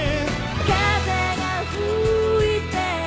「風が吹いている」